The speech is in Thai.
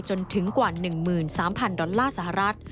จนถึงกว่า๑๓๐๐๐ดอลลาร์สหรัฐ